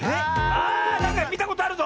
ああなんかみたことあるぞ！